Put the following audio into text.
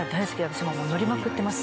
私もう乗りまくってます